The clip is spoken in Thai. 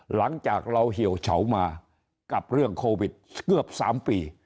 หลังจากเราเหี่ยวเฉามากับเรื่องโควิดเกือบ๓ปี